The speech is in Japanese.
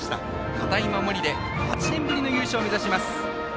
堅い守りで８年ぶりの優勝を目指します。